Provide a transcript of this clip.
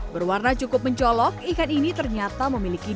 berwarna cukup mencolok ikan ini ternyata memiliki